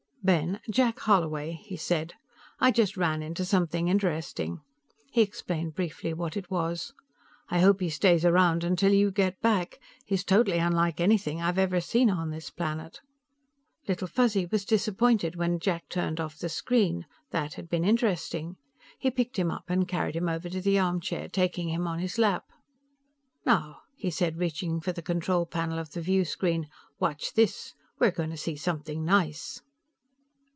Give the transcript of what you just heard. "Ben, Jack Holloway," he said. "I just ran into something interesting." He explained briefly what it was. "I hope he stays around till you get back. He's totally unlike anything I've ever seen on this planet." Little Fuzzy was disappointed when Jack turned off the screen; that had been interesting. He picked him up and carried him over to the armchair, taking him on his lap. "Now," he said, reaching for the control panel of the viewscreen. "Watch this; we're going to see something nice."